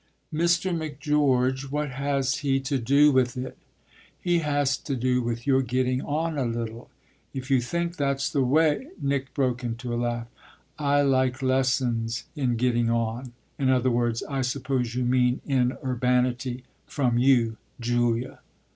"Mr. Macgeorge what has he to do with it?" "He has to do with your getting on a little. If you think that's the way !" Nick broke into a laugh. "I like lessons in getting on in other words I suppose you mean in urbanity from you, Julia!"